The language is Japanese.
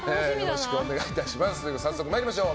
早速参りましょう。